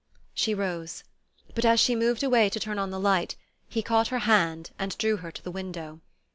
She rose; but as she moved away to turn on the light he caught her hand and drew her to the window.